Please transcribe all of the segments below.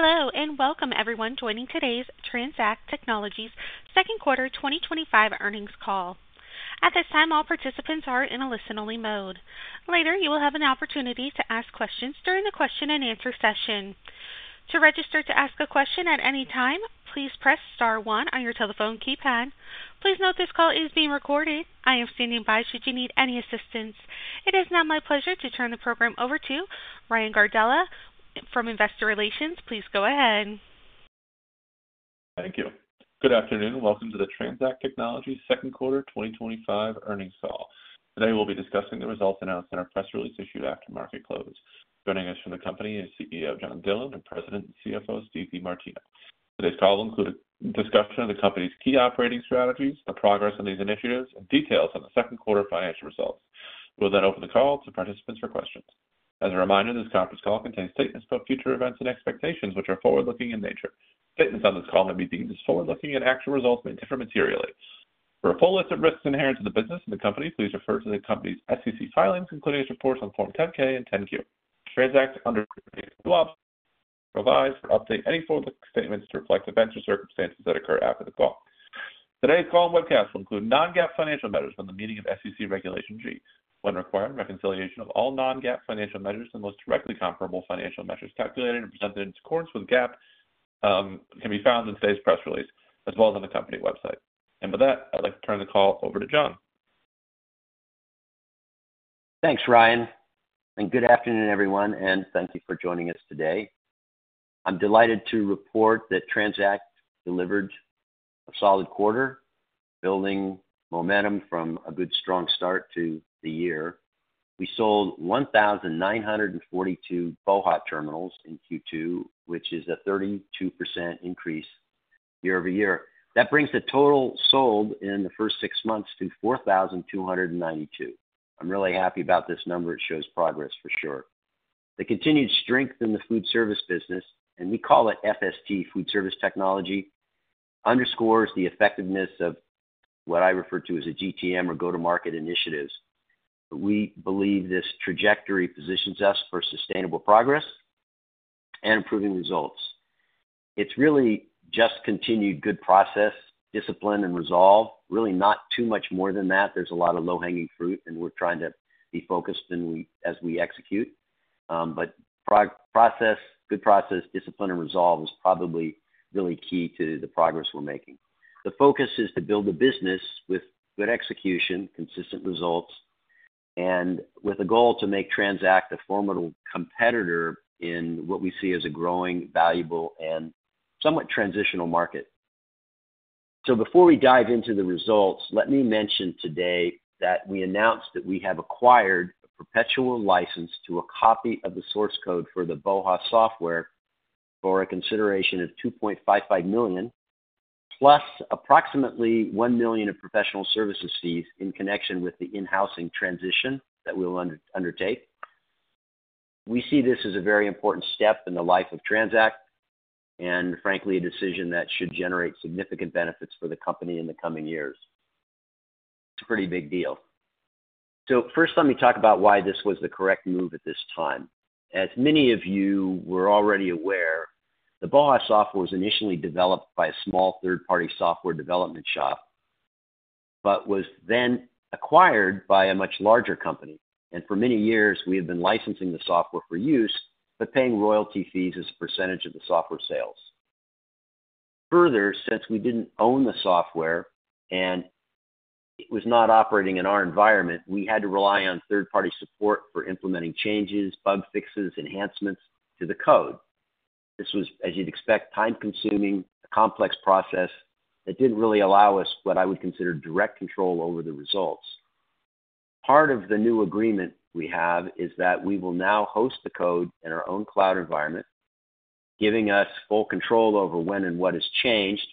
Hello, and welcome everyone joining today's TransAct Technologies' Second Quarter 2025 Earnings Call. At this time, all participants are in a listen-only mode. Later, you will have an opportunity to ask questions during the question and answer session. To register to ask a question at any time, please press star one on your telephone keypad. Please note this call is being recorded. I am standing by should you need any assistance. It is now my pleasure to turn the program over to Ryan Gardella from Investor Relations. Please go ahead. Thank you. Good afternoon. Welcome to the TransAct Technologies' Second Quarter 2025 Earnings Call. Today, we'll be discussing the results announced in our press release issued after market close. Joining us from the company is CEO John Dillon and President and CFO Steve DeMartino. Today's call will include a discussion of the company's key operating strategies, the progress on these initiatives, and details on the second quarter financial results. We'll then open the call to participants for questions. As a reminder, this conference call contains statements about future events and expectations, which are forward-looking in nature. Statements on this call may be deemed as forward-looking and actual results may differ materially. For a full list of risks inherent to the business and the company, please refer to the company's SEC filings, including its reports on Form 10-K and 10-Q. TransAct's underlying law provides for updating any forward-looking statements to reflect events or circumstances that occurred after the call. Today's call and webcast will include non-GAAP financial measures from the meaning of SEC Regulation G. When required, reconciliation of all non-GAAP financial measures and most directly comparable financial measures calculated and presented in accordance with GAAP can be found in today's press release, as well as on the company website. With that, I'd like to turn the call over to John. Thanks, Ryan. Good afternoon, everyone, and thank you for joining us today. I'm delighted to report that TransAct delivered a solid quarter, building momentum from a good, strong start to the year. We sold 1,942 BOHA! Terminals in Q2, which is a 32% increase year over year. That brings the total sold in the first six months to 4,292. I'm really happy about this number. It shows progress for sure. The continued strength in the food service business, and we call it FST, Food Service Technology, underscores the effectiveness of what I refer to as a GTM, or go-to-market, initiatives. We believe this trajectory positions us for sustainable progress and improving results. It's really just continued good process, discipline, and resolve, really not too much more than that. There's a lot of low-hanging fruit, and we're trying to be focused as we execute. Good process, discipline, and resolve is probably really key to the progress we're making. The focus is to build the business with good execution, consistent results, and with a goal to make TransAct a formidable competitor in what we see as a growing, valuable, and somewhat transitional market. Before we dive into the results, let me mention today that we announced that we have acquired a perpetual license to a copy of the source code for the BOHA! software for a consideration of $2.55 million, plus approximately $1 million of professional services fees in connection with the in-housing transition that we will undertake. We see this as a very important step in the life of TransAct and, frankly, a decision that should generate significant benefits for the company in the coming years. It's a pretty big deal. First, let me talk about why this was the correct move at this time. As many of you were already aware, the BOHA! software was initially developed by a small third-party software development shop but was then acquired by a much larger company. For many years, we have been licensing the software for use but paying royalty fees as a percentage of the software sales. Further, since we didn't own the software and it was not operating in our environment, we had to rely on third-party support for implementing changes, bug fixes, enhancements to the code. This was, as you'd expect, time-consuming, a complex process that didn't really allow us what I would consider direct control over the results. Part of the new agreement we have is that we will now host the code in our own cloud environment, giving us full control over when and what has changed.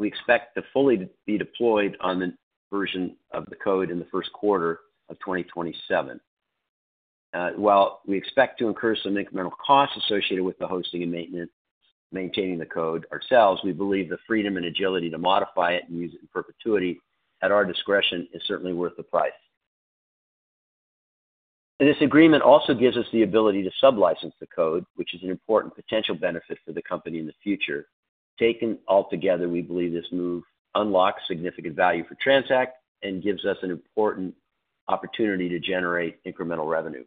We expect to fully be deployed on the version of the code in the first quarter of 2027. While we expect to incur some incremental costs associated with the hosting and maintaining the code ourselves, we believe the freedom and agility to modify it and use it in perpetuity at our discretion is certainly worth the price. This agreement also gives us the ability to sub-license the code, which is an important potential benefit for the company in the future. Taken altogether, we believe this move unlocks significant value for TransAct and gives us an important opportunity to generate incremental revenue.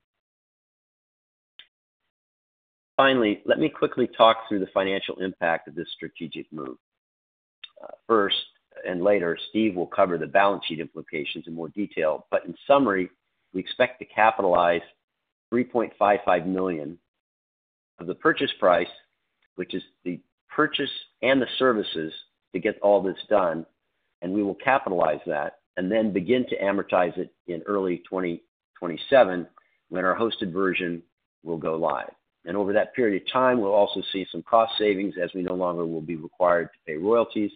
Finally, let me quickly talk through the financial impact of this strategic move. First, Steve will cover the balance sheet implications in more detail later. In summary, we expect to capitalize $3.55 million of the purchase price, which is the purchase and the services to get all this done. We will capitalize that and then begin to amortize it in early 2027 when our hosted version will go live. Over that period of time, we'll also see some cost savings as we no longer will be required to pay royalties.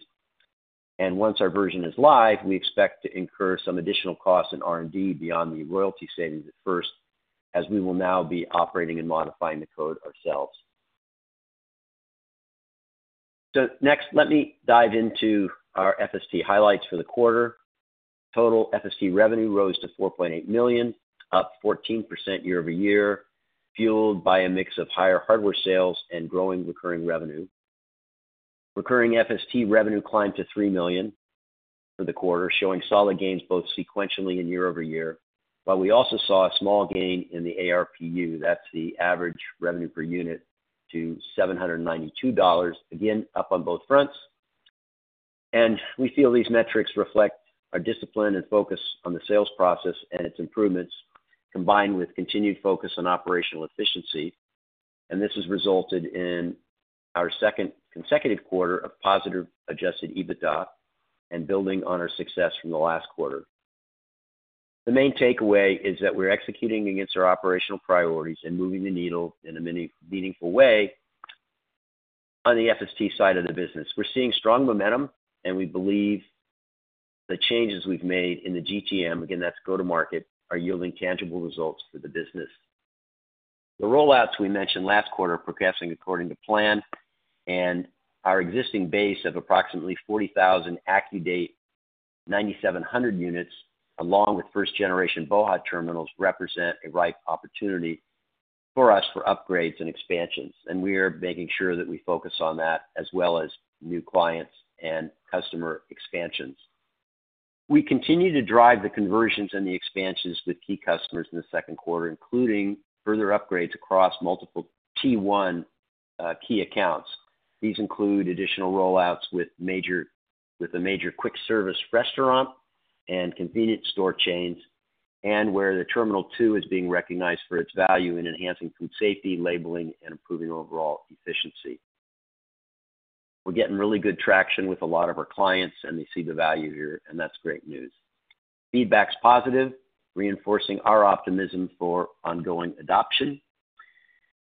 Once our version is live, we expect to incur some additional costs in R&D beyond the royalty savings at first, as we will now be operating and modifying the code ourselves. Next, let me dive into our FST highlights for the quarter. Total FST revenue rose to $4.8 million, up 14% year-over-year, fueled by a mix of higher hardware sales and growing recurring revenue. Recurring FST revenue climbed to $3 million for the quarter, showing solid gains both sequentially and year-over-year. We also saw a small gain in the ARPU, that's the average revenue per unit, to $792, again up on both fronts. We feel these metrics reflect our discipline and focus on the sales process and its improvements, combined with continued focus on operational efficiency. This has resulted in our second consecutive quarter of positive adjusted EBITDA and building on our success from the last quarter. The main takeaway is that we're executing against our operational priorities and moving the needle in a meaningful way on the FST side of the business. We're seeing strong momentum, and we believe the changes we've made in the GTM, again, that's go-to-market, are yielding tangible results for the business. The rollouts we mentioned last quarter are progressing according to plan, and our existing base of approximately 40,000 AccuDate 9700 units, along with first-generation BOHA! Terminals, represent a ripe opportunity for us for upgrades and expansions. We are making sure that we focus on that as well as new clients and customer expansions. We continue to drive the conversions and the expansions with key customers in the second quarter, including further upgrades across multiple T1 key accounts. These include additional rollouts with a major quick service restaurant and convenience store chains, where the Terminal 2 is being recognized for its value in enhancing food safety, labeling, and improving overall efficiency. We're getting really good traction with a lot of our clients, and they see the value here, and that's great news. Feedback's positive, reinforcing our optimism for ongoing adoption.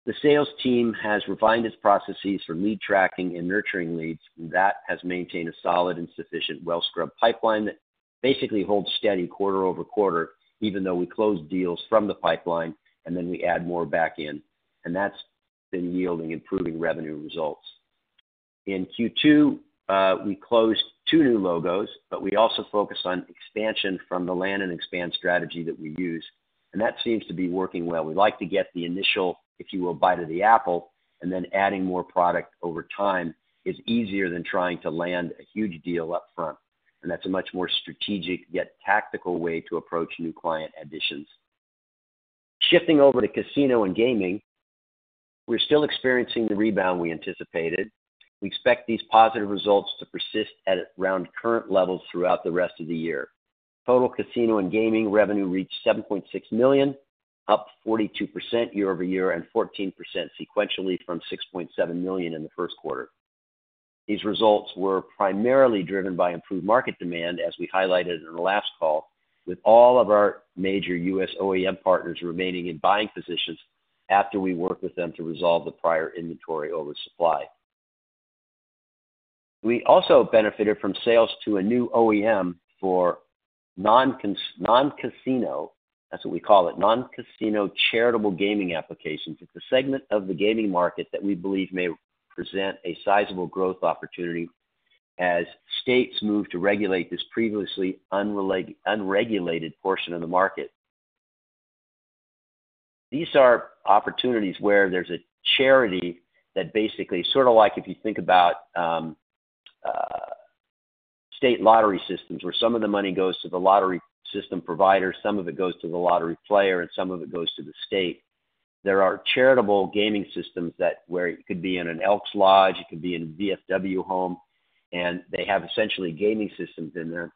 The sales team has refined its processes for lead tracking and nurturing leads, and that has maintained a solid and sufficient well-scrubbed pipeline that basically holds steady quarter over quarter, even though we close deals from the pipeline and then we add more back in. That's been yielding improving revenue results. In Q2, we closed two new logos, but we also focus on expansion from the land and expand strategy that we use, and that seems to be working well. We like to get the initial, if you will, bite of the apple, and then adding more product over time is easier than trying to land a huge deal upfront. That's a much more strategic, yet tactical way to approach new client additions. Shifting over to casino and gaming, we're still experiencing the rebound we anticipated. We expect these positive results to persist at around current levels throughout the rest of the year. Total casino and gaming revenue reached $7.6 million, up 42% year-over-year, and 14% sequentially from $6.7 million in the first quarter. These results were primarily driven by improved market demand, as we highlighted in the last call, with all of our major U.S. OEM partners remaining in buying positions after we worked with them to resolve the prior inventory oversupply. We also benefited from sales to a new OEM for non-casino, that's what we call it, non-casino charitable gaming applications. It's a segment of the gaming market that we believe may present a sizable growth opportunity as states move to regulate this previously unregulated portion of the market. These are opportunities where there's a charity that basically, sort of like if you think about state lottery systems, where some of the money goes to the lottery system provider, some of it goes to the lottery player, and some of it goes to the state. There are charitable gaming systems where you could be in an Elks Lodge, you could be in a DFW home, and they have essentially gaming systems in there.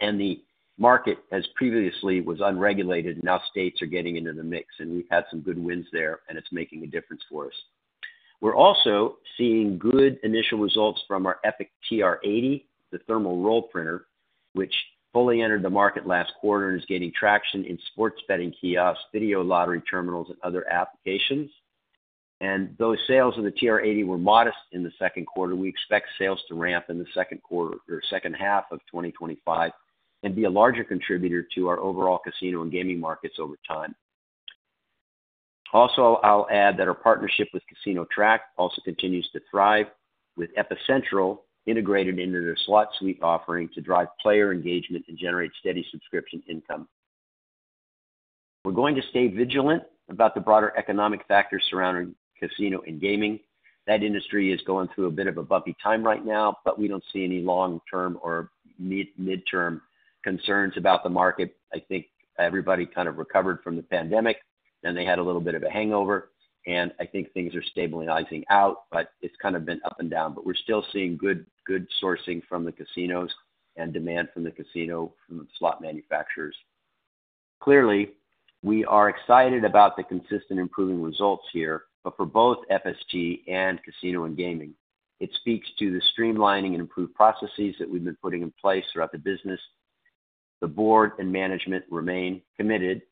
The market, as previously was unregulated, now states are getting into the mix, and we've had some good wins there, and it's making a difference for us. We're also seeing good initial results from our Epic TR80, the thermal roll printer, which fully entered the market last quarter and is gaining traction in sports betting kiosks, video lottery terminals, and other applications. Those sales in the TR80 were modest in the second quarter. We expect sales to ramp in the second half of 2025 and be a larger contributor to our overall casino and gaming markets over time. Also, I'll add that our partnership with CasinoTrac continues to thrive, with Epicentral integrated into their Casino Track SlotSUITE offering to drive player engagement and generate steady subscription income. We're going to stay vigilant about the broader economic factors surrounding casino and gaming. That industry is going through a bit of a bumpy time right now, but we don't see any long-term or mid-term concerns about the market. I think everybody kind of recovered from the pandemic, and they had a little bit of a hangover, and I think things are stabilizing out, but it's kind of been up and down. We're still seeing good sourcing from the casinos and demand from the casino from the slot manufacturers. Clearly, we are excited about the consistent improving results here, but for both FST and casino and gaming, it speaks to the streamlining and improved processes that we've been putting in place throughout the business. The Board and management remain committed,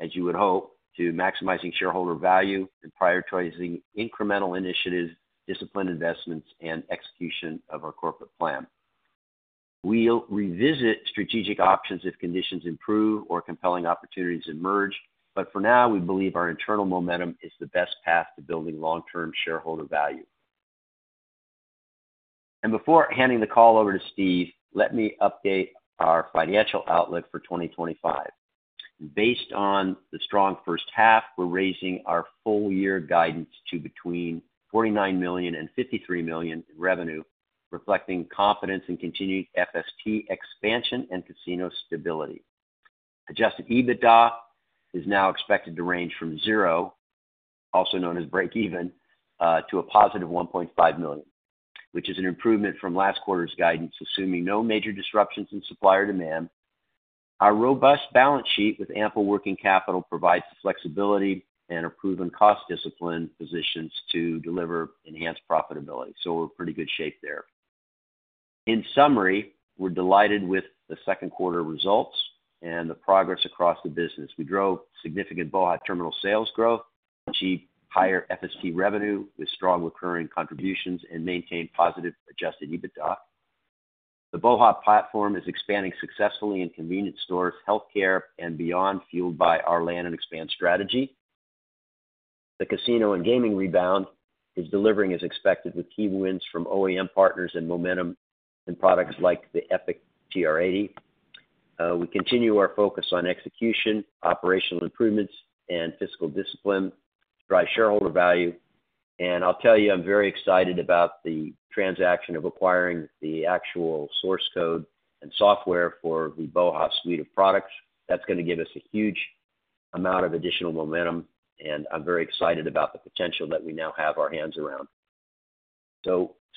as you would hope, to maximizing shareholder value and prioritizing incremental initiatives, disciplined investments, and execution of our corporate plan. We'll revisit strategic options if conditions improve or compelling opportunities emerge. For now, we believe our internal momentum is the best path to building long-term shareholder value. Before handing the call over to Steve, let me update our financial outlook for 2025. Based on the strong first half, we're raising our full-year guidance to between $49 million and $53 million in revenue, reflecting confidence in continued FST expansion and casino stability. Adjusted EBITDA is now expected to range from zero, also known as break-even, to a positive $1.5 million, which is an improvement from last quarter's guidance, assuming no major disruptions in supply or demand. Our robust balance sheet with ample working capital provides the flexibility, and our proven cost discipline positions us to deliver enhanced profitability. We're in pretty good shape there. In summary, we're delighted with the second quarter results and the progress across the business. We drove significant BOHA! Terminal sales growth, achieved higher FST revenue with strong recurring contributions, and maintained positive adjusted EBITDA. The BOHA! software platform is expanding successfully in convenience stores, healthcare, and beyond, fueled by our land and expand strategy. The casino and gaming rebound is delivering as expected with key wins from OEM partners and momentum in products like the Epic TR80. We continue our focus on execution, operational improvements, and fiscal discipline to drive shareholder value. I'm very excited about the transaction of acquiring the actual source code and software for the BOHA! suite of products. That's going to give us a huge amount of additional momentum, and I'm very excited about the potential that we now have our hands around.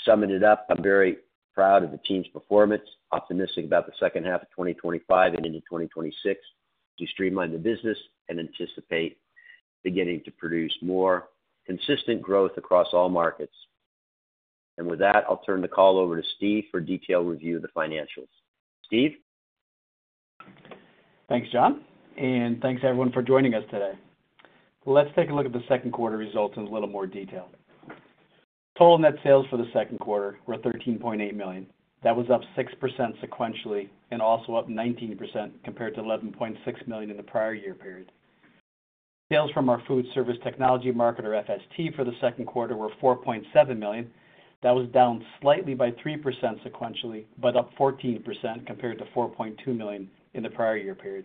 Summing it up, I'm very proud of the team's performance, optimistic about the second half of 2025 and into 2026 to streamline the business and anticipate beginning to produce more consistent growth across all markets. With that, I'll turn the call over to Steve for a detailed review of the financials. Steve? Thanks, John, and thanks everyone for joining us today. Let's take a look at the second quarter results in a little more detail. Total net sales for the second quarter were $13.8 million. That was up 6% sequentially and also up 19% compared to $11.6 million in the prior year period. Sales from our Food Service Technology market or FST for the second quarter were $4.7 million. That was down slightly by 3% sequentially, but up 14% compared to $4.2 million in the prior year period.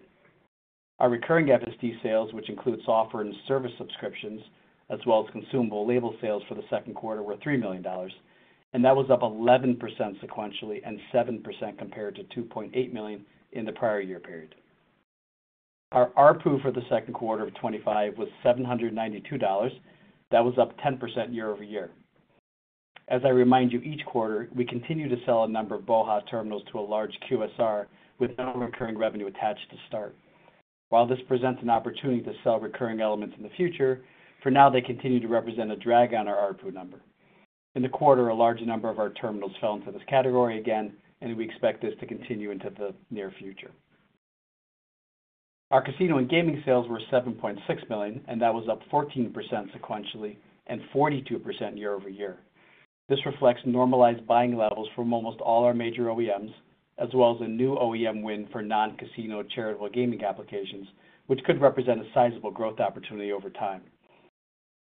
Our recurring FST sales, which include software and service subscriptions, as well as consumable label sales for the second quarter, were $3 million, and that was up 11% sequentially and 7% compared to $2.8 million in the prior year period. Our ARPU for the second quarter of 2025 was $792. That was up 10% year over year. As I remind you each quarter, we continue to sell a number of BOHA! Terminals to a large QSR with no recurring revenue attached to start. While this presents an opportunity to sell recurring elements in the future, for now, they continue to represent a drag on our ARPU number. In the quarter, a large number of our terminals fell into this category again, and we expect this to continue into the near future. Our casino and gaming sales were $7.6 million, and that was up 14% sequentially and 42% year-over-year. This reflects normalized buying levels from almost all our major OEM partners, as well as a new OEM win for non-casino charitable gaming applications, which could represent a sizable growth opportunity over time.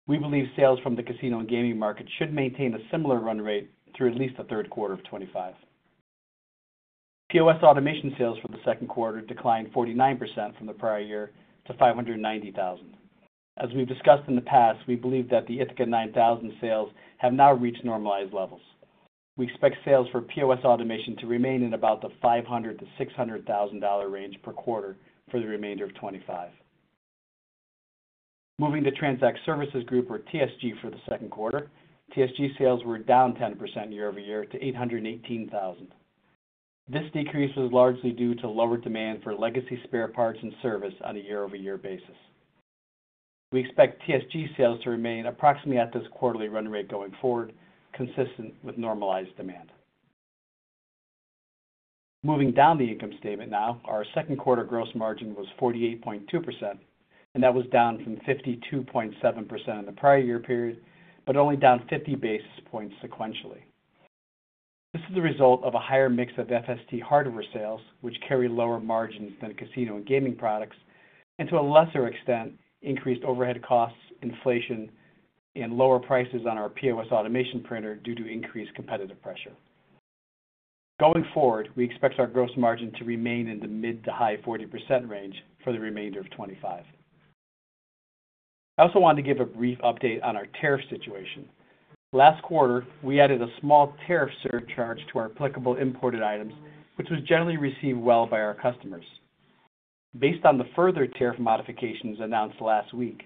We believe sales from the casino and gaming market should maintain a similar run rate through at least the third quarter of 2025. POS automation sales for the second quarter declined 49% from the prior year to $590,000. As we've discussed in the past, we believe that the Ithaca 9000 sales have now reached normalized levels. We expect sales for POS automation to remain in about the $500,000-$600,000 range per quarter for the remainder of 2025. Moving to TransAct Services Group or TSG for the second quarter, TSG sales were down 10% year-over-year to $818,000. This decrease was largely due to lower demand for legacy spare parts and service on a year-over-year basis. We expect TSG sales to remain approximately at this quarterly run rate going forward, consistent with normalized demand. Moving down the income statement now, our second quarter gross margin was 48.2%, and that was down from 52.7% in the prior year period, but only down 50 basis points sequentially. This is the result of a higher mix of FST hardware sales, which carry lower margins than casino and gaming products, and to a lesser extent, increased overhead costs, inflation, and lower prices on our POS automation printer due to increased competitive pressure. Going forward, we expect our gross margin to remain in the mid to high 40% range for the remainder of 2025. I also wanted to give a brief update on our tariff situation. Last quarter, we added a small tariff surcharge to our applicable imported items, which was generally received well by our customers. Based on the further tariff modifications announced last week,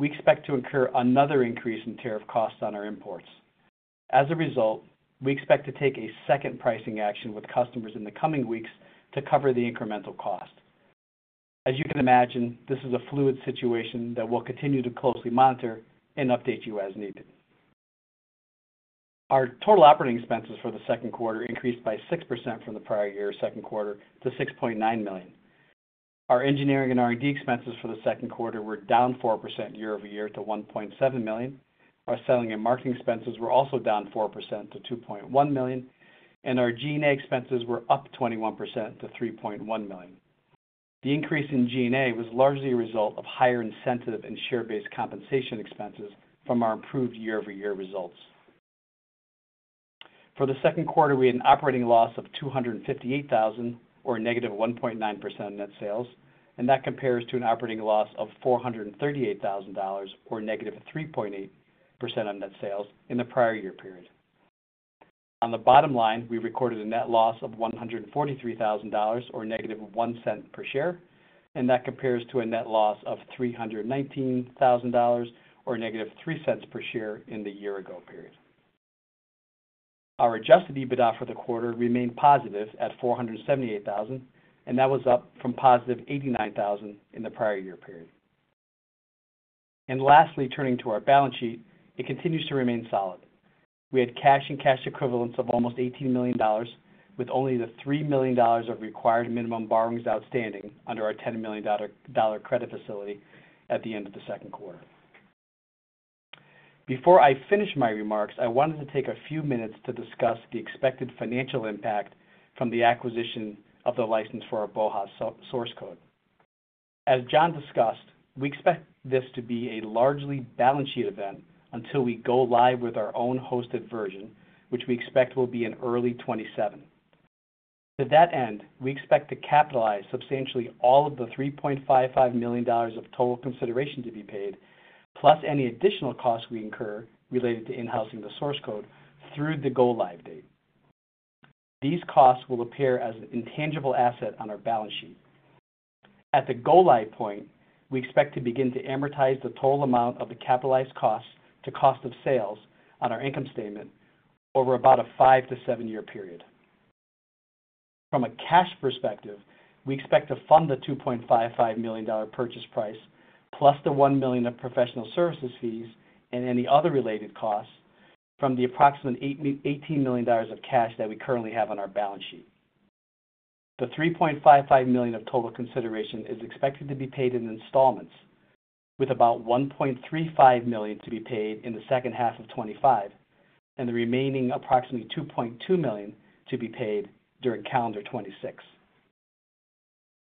we expect to incur another increase in tariff costs on our imports. As a result, we expect to take a second pricing action with customers in the coming weeks to cover the incremental cost. As you can imagine, this is a fluid situation that we'll continue to closely monitor and update you as needed. Our total operating expenses for the second quarter increased by 6% from the prior year's second quarter to $6.9 million. Our engineering and R&D expenses for the second quarter were down 4% year-over-year to $1.7 million. Our selling and marketing expenses were also down 4% to $2.1 million, and our G&A expenses were up 21% to $3.1 million. The increase in G&A was largely a result of higher incentive and share-based compensation expenses from our improved year-over-year results. For the second quarter, we had an operating loss of $258,000 or a negative 1.9% on net sales, and that compares to an operating loss of $438,000 or a -3.8% on net sales in the prior year period. On the bottom line, we recorded a net loss of $143,000 or a -$0.01 per share, and that compares to a net loss of $319,000 or a -$0.03 per share in the year ago period. Our adjusted EBITDA for the quarter remained positive at $478,000, and that was up from +$89,000 in the prior year period. Lastly, turning to our balance sheet, it continues to remain solid. We had cash and cash equivalents of almost $18 million with only the $3 million of required minimum borrowings outstanding under our $10 million credit facility at the end of the second quarter. Before I finish my remarks, I wanted to take a few minutes to discuss the expected financial impact from the acquisition of the license for our BOHA! source code. As John discussed, we expect this to be a largely balance sheet event until we go live with our own hosted version, which we expect will be in early 2027. To that end, we expect to capitalize substantially all of the $3.55 million of total consideration to be paid, plus any additional costs we incur related to in-housing the source code through the go live date. These costs will appear as an intangible asset on our balance sheet. At the go live point, we expect to begin to amortize the total amount of the capitalized costs to cost of sales on our income statement over about a five to seven-year period. From a cash perspective, we expect to fund the $2.55 million purchase price, plus the $1 million of professional services fees and any other related costs from the approximate $18 million of cash that we currently have on our balance sheet. The $3.55 million of total consideration is expected to be paid in installments, with about $1.35 million to be paid in the second half of 2025 and the remaining approximately $2.2 million to be paid during calendar 2026.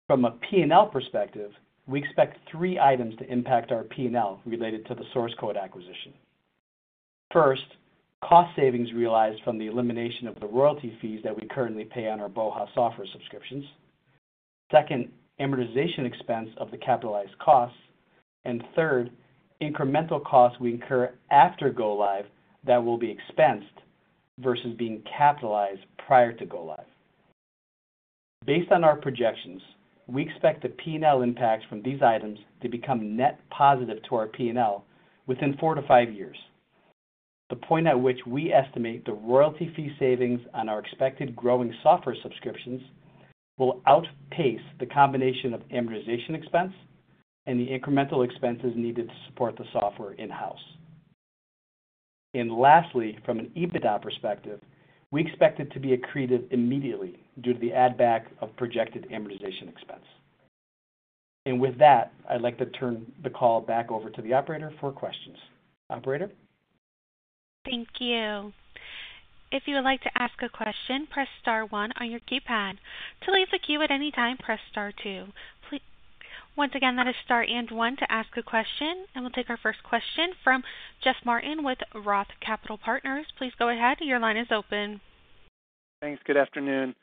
From a P&L perspective, we expect three items to impact our P&L related to the source code acquisition. First, cost savings realized from the elimination of the royalty fees that we currently pay on our BOHA! software subscriptions. Second, amortization expense of the capitalized costs. Third, incremental costs we incur after go live that will be expensed versus being capitalized prior to go live. Based on our projections, we expect the P&L impacts from these items to become net positive to our P&L within four to five years, the point at which we estimate the royalty fee savings on our expected growing software subscriptions will outpace the combination of amortization expense and the incremental expenses needed to support the software in-house. Lastly, from an EBITDA perspective, we expect it to be accretive immediately due to the add-back of projected amortization expense. With that, I'd like to turn the call back over to the operator for questions. Operator? Thank you. If you would like to ask a question, press star one on your keypad. To leave the queue at any time, press star two. Once again, that is star and one to ask a question. We'll take our first question from Jeff Martin with Roth Capital Partners. Please go ahead. Your line is open. Thanks. Good afternoon.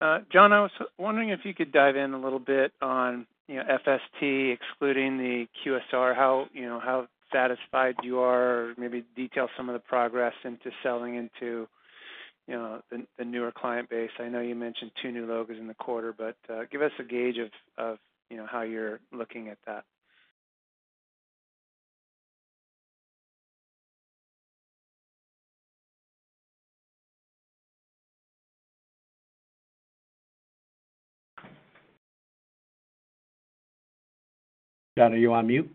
John, I was wondering if you could dive in a little bit on FST, excluding the QSR, how satisfied you are, or maybe detail some of the progress into selling into the newer client base. I know you mentioned two new logos in the quarter, but give us a gauge of how you're looking at that. John, are you on mute?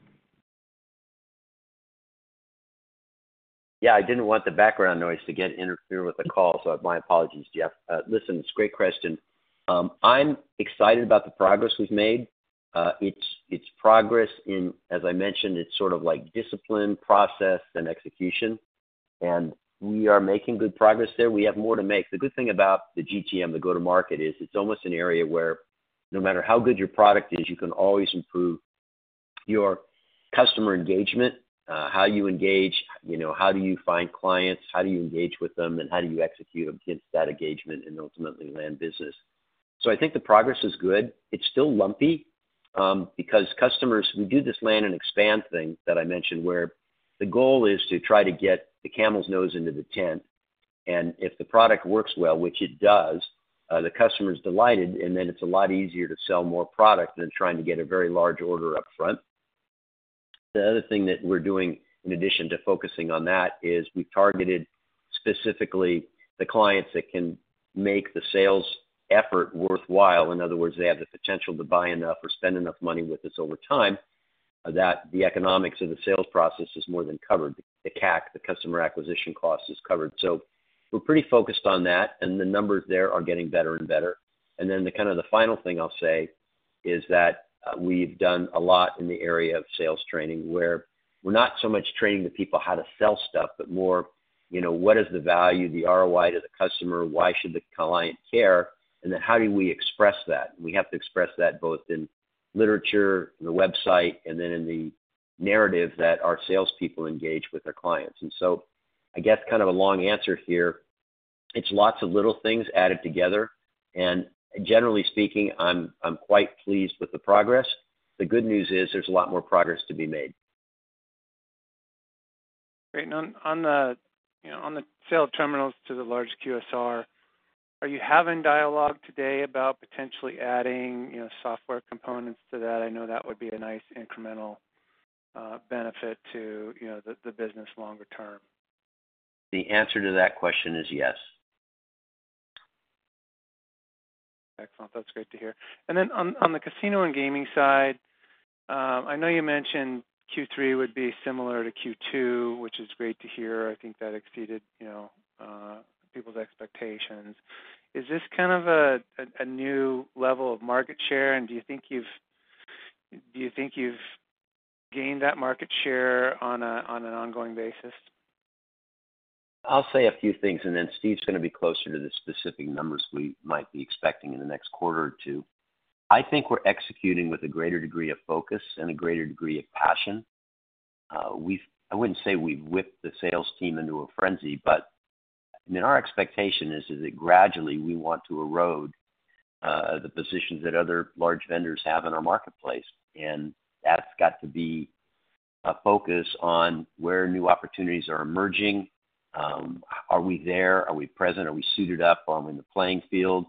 Yeah, I didn't want the background noise to get interfering with the call, so my apologies, Jeff. Listen, it's a great question. I'm excited about the progress we've made. It's progress in, as I mentioned, it's sort of like discipline, process, and execution. We are making good progress there. We have more to make. The good thing about the GTM, the go-to-market, is it's almost an area where no matter how good your product is, you can always improve your customer engagement, how you engage, you know, how do you find clients, how do you engage with them, and how do you execute against that engagement and ultimately land business. I think the progress is good. It's still lumpy because customers, we do this land and expand thing that I mentioned where the goal is to try to get the camel's nose into the tent. If the product works well, which it does, the customer's delighted, and then it's a lot easier to sell more product than trying to get a very large order upfront. The other thing that we're doing in addition to focusing on that is we've targeted specifically the clients that can make the sales effort worthwhile. In other words, they have the potential to buy enough or spend enough money with us over time that the economics of the sales process is more than covered. The CAC, the customer acquisition cost, is covered. We're pretty focused on that, and the numbers there are getting better and better. The kind of the final thing I'll say is that we've done a lot in the area of sales training where we're not so much training the people how to sell stuff, but more, you know, what is the value, the ROI to the customer? Why should the client care? How do we express that? We have to express that both in literature, the website, and then in the narrative that our salespeople engage with our clients. I guess kind of a long answer here, it's lots of little things added together. Generally speaking, I'm quite pleased with the progress. The good news is there's a lot more progress to be made. Great. On the sale of terminals to the large QSR, are you having dialogue today about potentially adding software components to that? I know that would be a nice incremental benefit to the business longer term. The answer to that question is yes. Excellent. That's great to hear. On the casino and gaming side, I know you mentioned Q3 would be similar to Q2, which is great to hear. I think that exceeded people's expectations. Is this kind of a new level of market share, and do you think you've gained that market share on an ongoing basis? I'll say a few things, and then Steve's going to be closer to the specific numbers we might be expecting in the next quarter or two. I think we're executing with a greater degree of focus and a greater degree of passion. I wouldn't say we've whipped the sales team into a frenzy, but our expectation is that gradually we want to erode the positions that other large vendors have in our marketplace. That's got to be a focus on where new opportunities are emerging. Are we there? Are we present? Are we suited up? Are we in the playing field?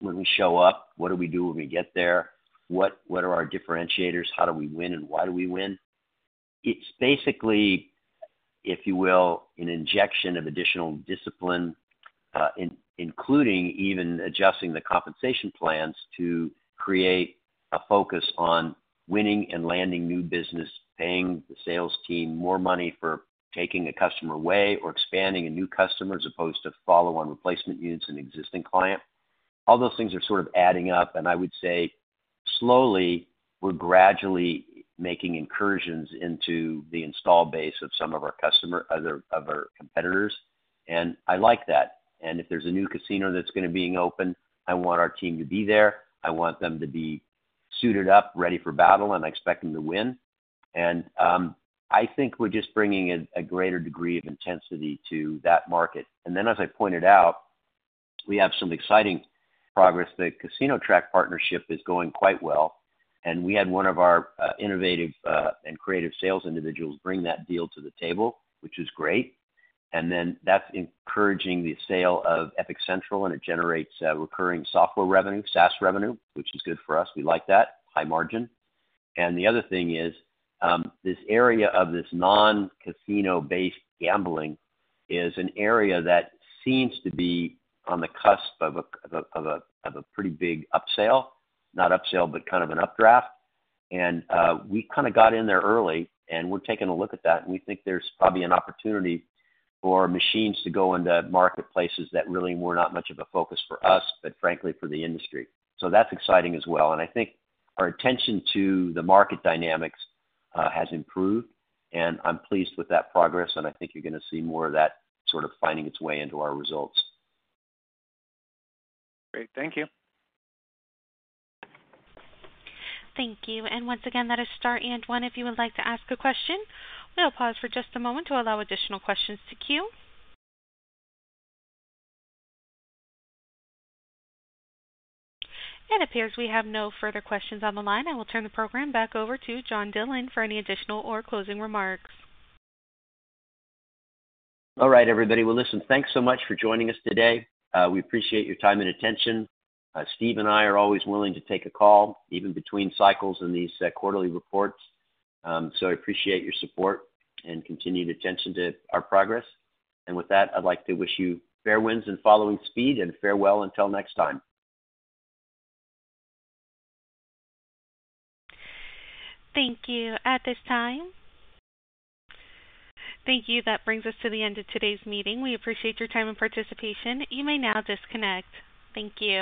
When we show up, what do we do when we get there? What are our differentiators? How do we win and why do we win? It's basically, if you will, an injection of additional discipline, including even adjusting the compensation plans to create a focus on winning and landing new business, paying the sales team more money for taking a customer away or expanding a new customer as opposed to follow-on replacement units and existing clients. All those things are sort of adding up. I would say slowly, we're gradually making incursions into the install base of some of our customers, other of our competitors. I like that. If there's a new casino that's going to be open, I want our team to be there. I want them to be suited up, ready for battle, and I expect them to win. I think we're just bringing a greater degree of intensity to that market. As I pointed out, we have some exciting progress. The CasinoTrac partnership is going quite well. We had one of our innovative and creative sales individuals bring that deal to the table, which is great. That's encouraging the sale of Epicentral, and it generates recurring software revenue, SaaS revenue, which is good for us. We like that, high margin. The other thing is this area of this non-casino-based gambling is an area that seems to be on the cusp of a pretty big upsale, not upsale, but kind of an updraft. We kind of got in there early, and we're taking a look at that. We think there's probably an opportunity for machines to go into marketplaces that really were not much of a focus for us, but frankly, for the industry. That's exciting as well. I think our attention to the market dynamics has improved, and I'm pleased with that progress. I think you're going to see more of that sort of finding its way into our results. Great. Thank you. Thank you. Once again, that is star and one. If you would like to ask a question, we'll pause for just a moment to allow additional questions to queue. It appears we have no further questions on the line. I will turn the program back over to John Dillon for any additional or closing remarks. All right, everybody. Listen, thanks so much for joining us today. We appreciate your time and attention. Steve and I are always willing to take a call, even between cycles in these quarterly reports. I appreciate your support and continued attention to our progress. With that, I'd like to wish you fair winds and following speed and farewell until next time. Thank you. That brings us to the end of today's meeting. We appreciate your time and participation. You may now disconnect. Thank you.